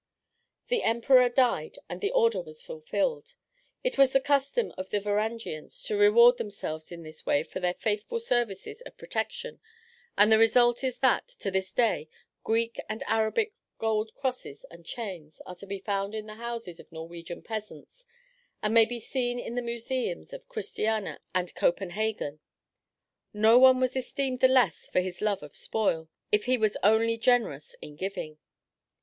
The emperor died, and the order was fulfilled. It was the custom of the Varangians to reward themselves in this way for their faithful services of protection; and the result is that, to this day, Greek and Arabic gold crosses and chains are to be found in the houses of Norwegian peasants and may be seen in the museums of Christiania and Copenhagen. No one was esteemed the less for this love of spoil, if he was only generous in giving.